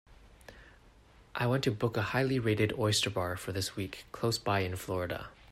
I want to book a highly rated oyster bar for this week close by in Florida.